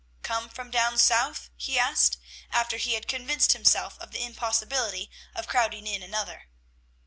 "Come from down South?" he asked, after he had convinced himself of the impossibility of crowding in another.